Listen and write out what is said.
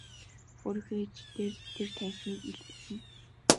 Өөрийнхөө ид шидээр тэр танхимыг илбэдсэн.